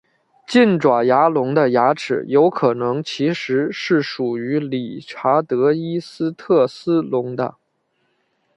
近爪牙龙的牙齿有可能其实是属于理查德伊斯特斯龙的。